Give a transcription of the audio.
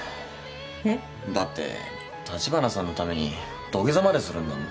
えっ？だって立花さんのために土下座までするんだもん。